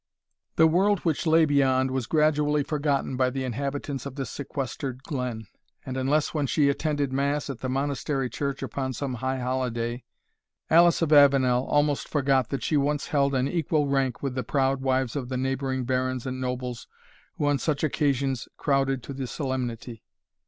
The world which lay beyond was gradually forgotten by the inhabitants of this sequestered glen, and unless when she attended mass at the Monastery Church upon some high holiday, Alice of Avenel almost forgot that she once held an equal rank with the proud wives of the neighbouring barons and nobles who on such occasions crowded to the solemnity.